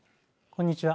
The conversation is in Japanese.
こんにちは。